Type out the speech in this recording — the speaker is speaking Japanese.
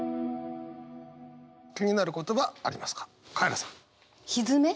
気になる言葉ありますか？